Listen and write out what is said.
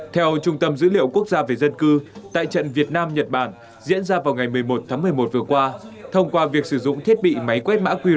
theo trung tâm dữ liệu quốc gia về dân cư tại trận việt nam nhật bản diễn ra vào ngày một mươi một tháng một mươi một vừa qua